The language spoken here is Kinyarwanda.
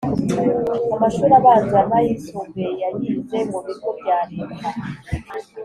Amashuri abanza nayisumbuye yayize mubigo bya leta